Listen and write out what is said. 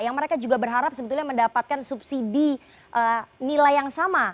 yang mereka juga berharap sebetulnya mendapatkan subsidi nilai yang sama